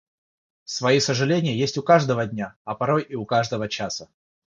Свои сожаления есть у каждого дня, а порой и у каждого часа.